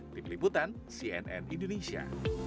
tim liputan cnn indonesia